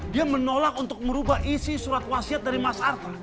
dia menolak untuk merubah isi surat wasiat dari mas arta